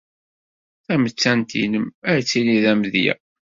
Tamettant-nnem ad tili d amedya.